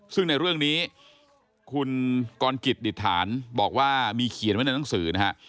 ซึ่งในเรื่องนี้คุณกรกิจดิษฐานบอกว่ามีเขียนไว้ในหนังสือนะฮะ